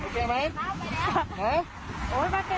ปื้นง่ายทุกคน